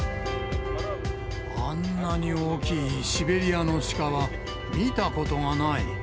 あんなに大きいシベリアの鹿は見たことがない。